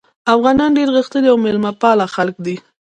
افغانان ډېر غښتلي او میلمه پاله خلک دي.